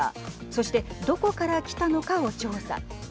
そしてどこから来たのかを調査。